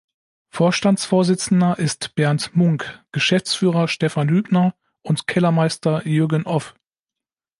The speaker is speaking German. Vorstandsvorsitzender ist Bernd Munk, Geschäftsführer Stefan Hübner und Kellermeister Jürgen Off.